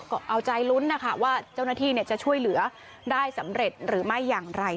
ก็เอาใจลุ้นนะคะว่าเจ้าหน้าที่จะช่วยเหลือได้สำเร็จหรือไม่อย่างไร